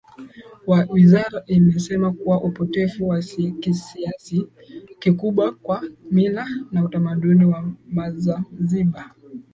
Wizara imesema kuna upotevu wa kiasi kikubwa wa mila na utamaduni wa mzanzibar